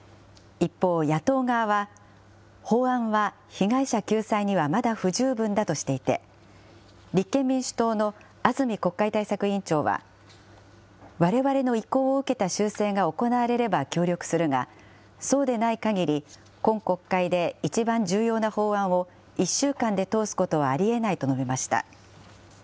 一方、野党側は、法案は被害者救済にはまだ不十分だとしていて、立憲民主党の安住国会対策委員長は、われわれの意向を受けた修正が行われれば協力するが、そうでないかぎり、今国会で一番重要な法案を１週間で通すことはありえないと述べました。